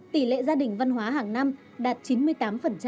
tỷ lệ gia đình văn hóa hàng năm đạt chín mươi tám